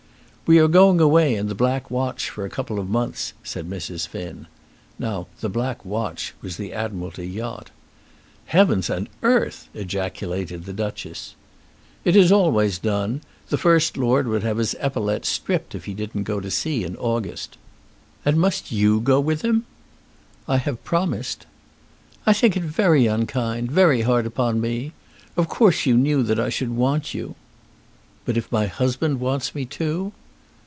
"We are going away in the 'Black Watch' for a couple of months," said Mrs. Finn. Now the "Black Watch" was the Admiralty yacht. "Heavens and earth!" ejaculated the Duchess. "It is always done. The First Lord would have his epaulets stripped if he didn't go to sea in August." "And must you go with him?" "I have promised." "I think it very unkind, very hard upon me. Of course you knew that I should want you." "But if my husband wants me too?"